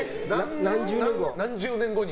何十年後に。